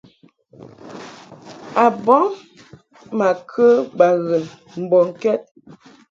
Abɔŋ ma kə baghɨn mbɔŋkɛd.